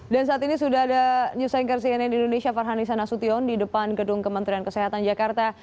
dan saat ini sudah ada nyuseng kersiennya di indonesia farhanisa nasution di depan gedung kementerian kesehatan jakarta